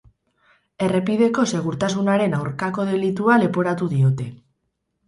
Errepideko segurtasunaren aurkako delitua leporatu diote.